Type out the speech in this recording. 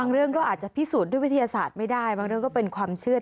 เรื่องก็อาจจะพิสูจน์ด้วยวิทยาศาสตร์ไม่ได้บางเรื่องก็เป็นความเชื่อ